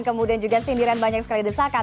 kemudian juga sindiran banyak sekali desakan